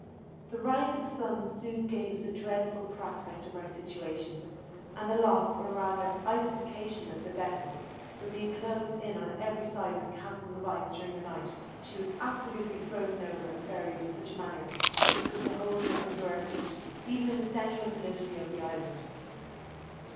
The rising sun soon gave us a dreadful prospect of our situation, and the loss, or rather iceification, of the vessel; for being closed in on every side with castles of ice during the night, she was absolutely frozen over and buried in such a manner that we could behold her under our feet, even in the central solidity of the island.